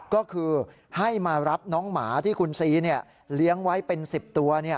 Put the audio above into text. ก็คือให้มารับน้องหมาที่คุณซีเลี้ยงไว้เป็น๑๐ตัว